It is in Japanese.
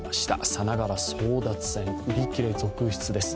さながら争奪戦、売り切れ続出です